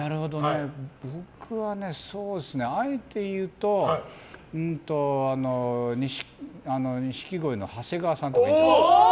僕はね、あえて言うと錦鯉の長谷川さんとかいいんじゃないですか。